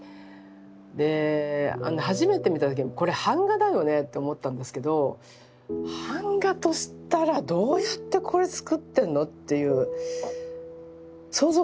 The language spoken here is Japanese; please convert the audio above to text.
であの初めて見た時にこれ板画だよねって思ったんですけど板画としたらどうやってつくってんのっていう想像ができなかったですね。